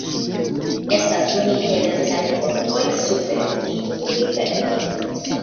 Estas du interesaj pontoj super tiu rivero.